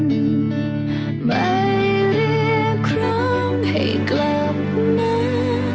ไม่เรียกความให้กลับมา